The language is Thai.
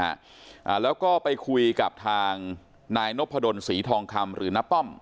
อ่าแล้วก็ไปคุยกับทางนายนพดลศรีทองคำหรือน้าป้อม